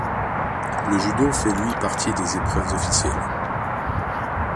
Le Judo fait lui parti des épreuves officielles.